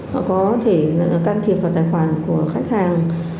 họ có thể can thiệp vào tài khoản của khách hàng